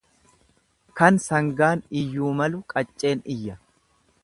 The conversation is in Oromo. Kan sangaan iyyuu malu qacceen iyya.